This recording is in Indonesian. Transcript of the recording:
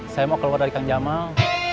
saya mau keluar dari kang jamal